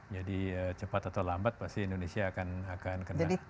jadi cepat atau lambat pasti indonesia akan kena